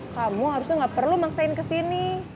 kamu harusnya gak perlu maksain kesini